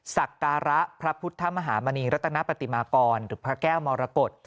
สักการะพระพุทธมหามณีรัตนปฏิมากรหรือพระแก้วมรกฏ